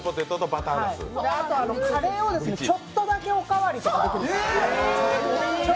あと、カレーをちょっとだけおかわりとかできるんです。